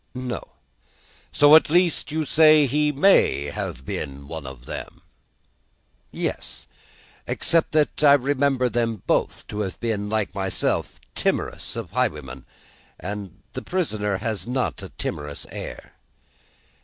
"No." "So at least you say he may have been one of them?" "Yes. Except that I remember them both to have been like myself timorous of highwaymen, and the prisoner has not a timorous air."